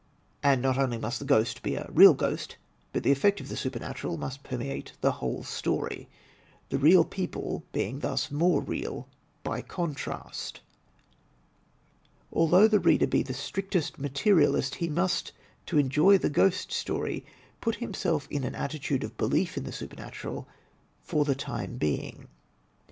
And not only must the ghost be a real ghost, but the e£Fect of the supernatural must permeate the whole story, the real people being thus more real by contrast. Although the reader be the strictest materialist, he must, to enjoy a ghost story, put himself in an attitude of belief in the supernatural for the time being.